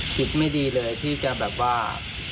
คิดไม่ดีเลยที่จะแบบว่า